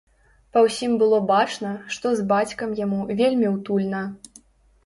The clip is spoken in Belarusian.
Па ўсім было бачна, што з бацькам яму вельмі утульна.